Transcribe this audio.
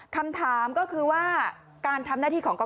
คำถามก็คือว่าการทำหน้าที่ของกรกต